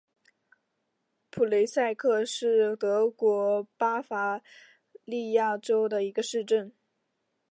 普雷塞克是德国巴伐利亚州的一个市镇。